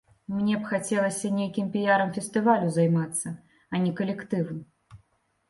Мне б хацелася нейкім піярам фестывалю займацца, а не калектыву.